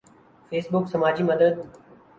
face بک سماجی مدد